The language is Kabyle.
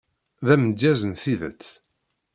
D amedyaz n tidet.